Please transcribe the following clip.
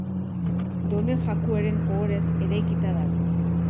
Done Jakueren ohorez eraikita dago.